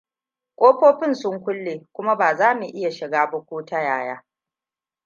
Ƙofofin sun kulle kuma ba za mu iya shiga ba ko ta yaya.